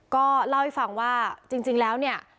ก็เล่าให้ฟังว่าจริงแล้วเนี่ย